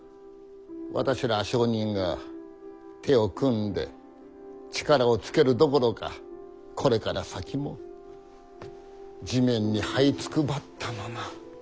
私ら商人が手を組んで力をつけるどころかこれから先も地面にはいつくばったまま。